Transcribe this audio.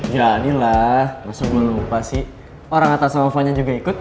jadilah masuk gue lupa sih orang atta sama fonnya juga ikut